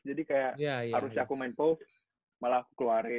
jadi kayak harusnya aku main post malah aku keluarin